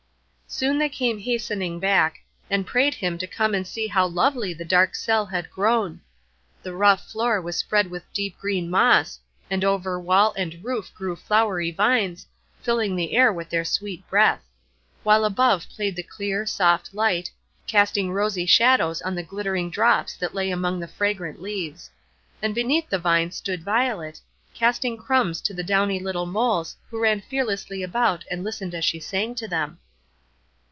Soon they came hastening back, and prayed him to come and see how lovely the dark cell had grown. The rough floor was spread with deep green moss, and over wall and roof grew flowery vines, filling the air with their sweet breath; while above played the clear, soft light, casting rosy shadows on the glittering drops that lay among the fragrant leaves; and beneath the vines stood Violet, casting crumbs to the downy little moles who ran fearlessly about and listened as she sang to them.